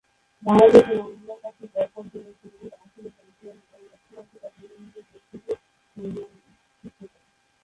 বাংলাদেশ ও নামিবিয়ার কাছে পর-পর হেরে, পূর্বের আসরের চ্যাম্পিয়ন দক্ষিণ আফ্রিকা টুর্নামেন্টের গ্রুপ পর্বে থেকে ছিটকে পড়ে।